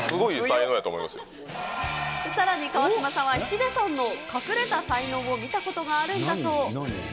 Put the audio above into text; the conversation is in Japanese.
さらに川島さんは、ヒデさんの隠れた才能を見たことがあるんだそう。